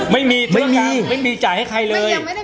ไม่มีจ่ายให้ใครเลย